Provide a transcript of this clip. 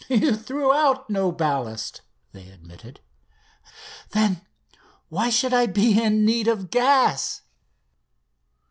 "You threw out no ballast," they admitted. "Then why should I be in need of gas?"